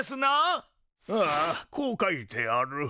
ああこう書いてある。